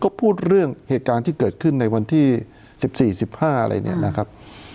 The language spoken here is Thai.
ก็พูดเรื่องเหตุการณ์ที่เกิดขึ้นในวันที่๑๔๑๕อะไรเนี่ยนะครับ